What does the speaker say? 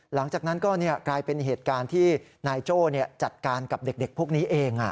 หลังจากนั้นก็กลายเป็นเหตุการณ์ที่นายโจ้จัดการกับเด็กพวกนี้เอง